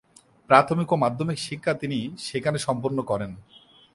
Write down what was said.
প্রাথমিক ও মাধ্যমিক শিক্ষা তিনি সেখানে সম্পন্ন করেন।